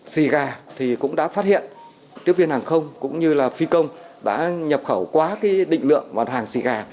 sì gà cũng đã phát hiện tiêu viên hàng không cũng như phi công đã nhập khẩu quá định lượng mặt hàng sì gà